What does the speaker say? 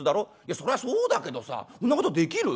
そりゃそうだけどさそんなことできる？